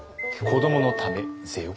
子どものためぜよ。